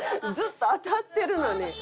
ずっと当たってるのに。